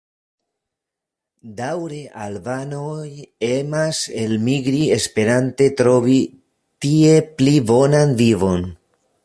Daŭre albanoj emas elmigri esperante trovi tie pli bonan vivon.